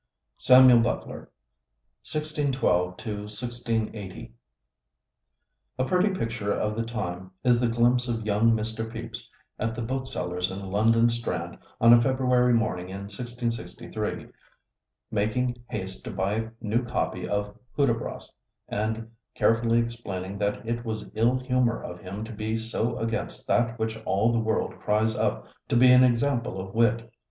SAMUEL BUTLER (1612 1680) A pretty picture of the time is the glimpse of young Mr. Pepys at the bookseller's in London Strand on a February morning in 1663, making haste to buy a new copy of 'Hudibras,' and carefully explaining that it was "ill humor of him to be so against that which all the world cries up to be an example of wit."